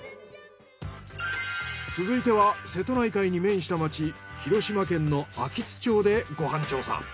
続いては瀬戸内海に面した町広島県の安芸津町でご飯調査。